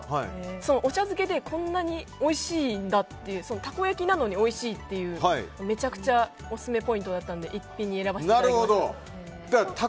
お茶漬けでこんなにおいしいんだっていうたこ焼きなのにおいしいというめちゃくちゃオススメポイントだったので逸品に選ばせていただきました。